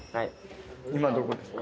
今どこですか？